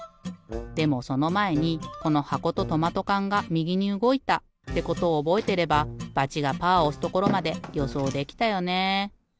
でもそのまえにこのはことトマトかんがみぎにうごいたってことをおぼえてればバチがパーをおすところまでよそうできたよね。